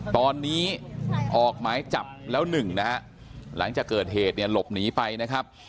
ตอนนี้ออกหมายจับแล้วหนึ่งนะฮะหลังจากเกิดเหตุเนี่ยหลบหนีไปนะครับ